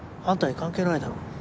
あんたに関係ないだろ。